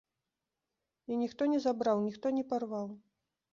І ніхто не забраў, ніхто не парваў.